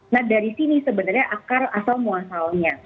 nah dari sini sebenarnya akar asal muasalnya